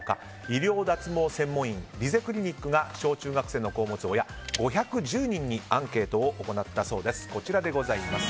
医療脱毛専門院リゼクリニックが小中学生の子を持つ親５１０人にアンケートを行ったそうです。